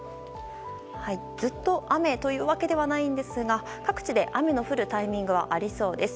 ずっと雨というわけではないんですが各地で雨の降るタイミングはありそうです。